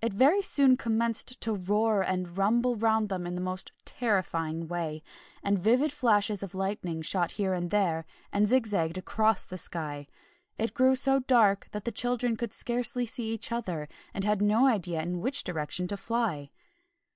It very soon commenced to roar and rumble round them in a most terrifying way, and vivid flashes of lightning shot here and there and zig zagged across the sky. It grew so dark that the children could scarcely see each other, and had no idea in which direction to fly.